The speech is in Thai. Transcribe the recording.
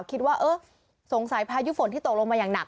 คิดว่าเออสงสัยพายุฝนที่ตกลงมาอย่างหนัก